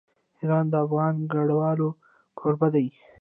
ایران د افغان کډوالو کوربه دی.